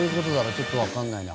ちょっとわかんないな。